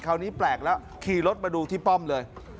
คราวนี้แปลกแล้วขี่รถมาดูที่ป้อมเลย